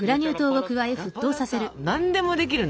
何でもできるね。